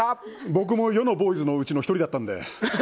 僕も世のボーイズのうちの１人だったので。